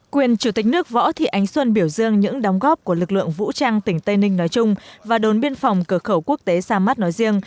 quyền chủ tịch nước võ thị ánh xuân biểu dương những đóng góp của lực lượng vũ trang tỉnh tây ninh nói chung và đồn biên phòng cửa khẩu quốc tế sa mát nói riêng